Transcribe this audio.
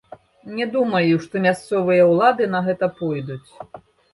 Не думаю, што мясцовыя ўлады на гэта пойдуць.